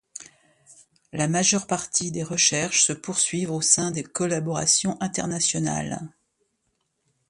La majeure partie des recherches se poursuivent au sein de collaborations internationales.